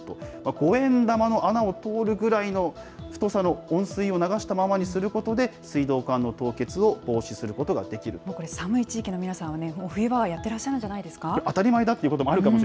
五円玉の穴を通るくらいの太さの温水を流したままにすることで、水道管の凍結を防止することがでこれ、寒い地域の皆さんは、もう冬場はやってらっしゃるんじゃないですか。